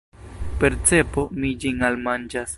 Per cepo mi ĝin almanĝas.